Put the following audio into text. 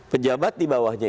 pejabat di bawahnya